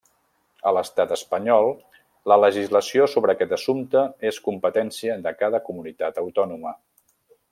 A l'Estat espanyol la legislació sobre aquest assumpte és competència de cada Comunitat Autònoma.